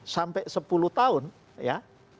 sampai sepuluh tahun ya